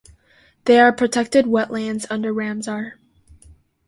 They are protected wetlands under Ramsar.